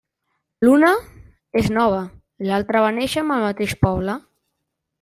L'una és nova, l'altra va néixer amb el mateix poble.